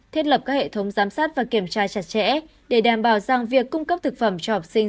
thiết lập các hệ thống giám sát và kiểm tra chặt chẽ để đảm bảo rằng việc cung cấp thực phẩm cho học sinh